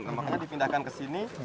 makanya dipindahkan ke sini